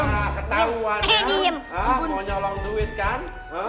ketauan mau nyolong duit kan